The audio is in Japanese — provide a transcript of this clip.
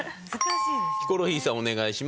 ヒコロヒーさんお願いします。